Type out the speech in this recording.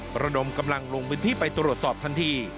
ระดมกำลังลงพื้นที่ไปตรวจสอบทันที